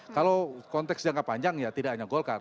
kalau konteks jangka panjang ya tidak hanya golkar